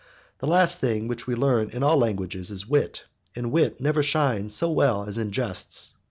The last thing which we learn in all languages is wit, and wit never shines so well as in jests.